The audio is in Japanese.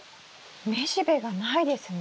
雌しべがないですね。